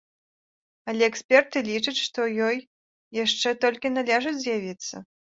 Але эксперты лічаць, што ёй яшчэ толькі належыць з'явіцца.